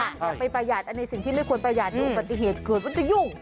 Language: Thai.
อย่าไปประหยัดอันในสิ่งที่ไม่ควรประหยัดอุบัติเหตุเกิดว่าจะยุ่ง